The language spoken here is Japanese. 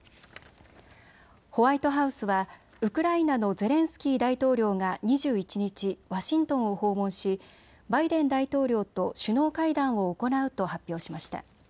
ホワイトハウスはウクライナのゼレンスキー大統領が２１日、ワシントンを訪問しバイデン大統領と首脳会談を行うと発表しました。